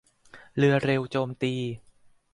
เรือเร็วโจมตี